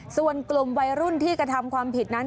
ส่วนกลุ่มวัยรุ่นที่กระทำความผิดนั้น